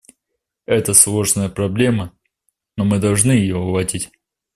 Это сложная проблема, но мы должны ее уладить.